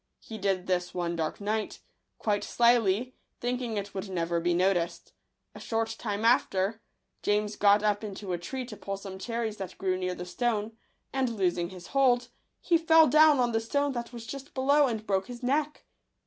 He did this one dark night, quite slyly, thinking it would never be noticed. A short time after, James got up into a tree to pull some cherries that grew near the stone ; and losing his hold, he fell down on the stone that was just below, and broke his neck.